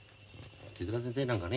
手先生なんかね